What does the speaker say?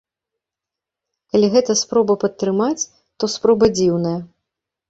Калі гэта спроба падтрымаць, то спроба дзіўная.